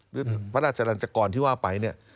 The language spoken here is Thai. หรือพระราชรันจกรที่ว่าไปเนี่ย